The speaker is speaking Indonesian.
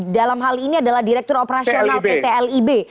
dalam hal ini adalah direktur operasional pt lib